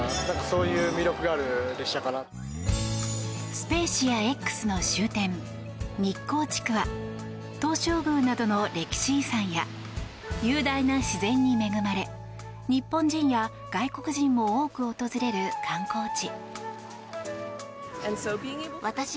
スペーシアＸの終点日光地区は東照宮などの歴史遺産や雄大な自然に恵まれ日本人や外国人も多く訪れる観光地。